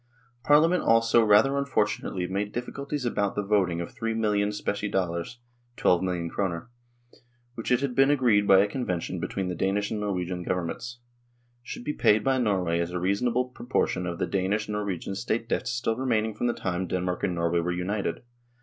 Parliament also rather unfortunately made difficulties about the voting of three million specie dollars (twelve million kroner), which it had been agreed by convention between the Danish and Norwegian Governments, should be paid by Norway as a reasonable proportion of the Danish Norwegian state debts still remaining from the time Denmark and Norway were united.